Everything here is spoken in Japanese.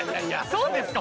そうですか？